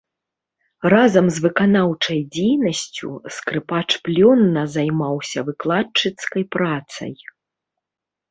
Разам з выканаўчай дзейнасцю скрыпач плённа займаўся выкладчыцкай працай.